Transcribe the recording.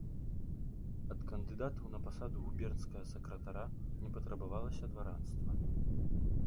Ад кандыдатаў на пасаду губернскага сакратара не патрабавалася дваранства.